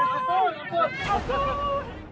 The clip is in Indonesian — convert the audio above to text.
ampun ampun ampun